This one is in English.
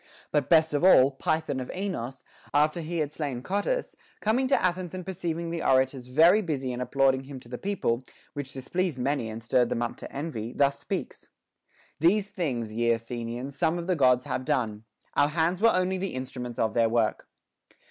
But best of all, Py thon of Aenos, after he had slain Cotys, coming to Athens and perceiving the orators very busy in applauding him to the people, which displeased many and stirred them up to envy, thus speaks : These things, ye Athenians, some of the Gods have done ; our hands were only the instruments of their work.